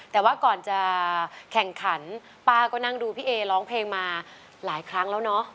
แต่ว่าก่อนจะแข่งขันป้าก็นั่งดูพี่เอร้องเพลงมาหลายครั้งแล้วเนอะ